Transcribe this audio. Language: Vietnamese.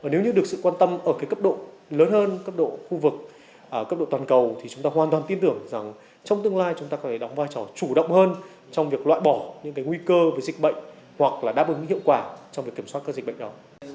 nếu như được sự quan tâm ở cái cấp độ lớn hơn cấp độ khu vực cấp độ toàn cầu thì chúng ta hoàn toàn tin tưởng rằng trong tương lai chúng ta có thể đóng vai trò chủ động hơn trong việc loại bỏ những nguy cơ về dịch bệnh hoặc là đáp ứng hiệu quả trong việc kiểm soát các dịch bệnh đó